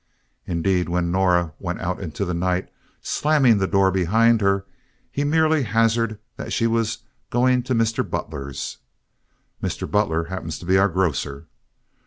Indeed when Nora went out into the night, slamming the door behind her, he merely hazarded that she was "going to Mr. Butler's." Mr. Butler happens to be our grocer.